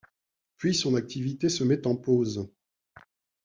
Puis son activité se met en pause.